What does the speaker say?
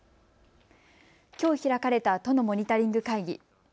きょう開かれた都のモニタリング会議。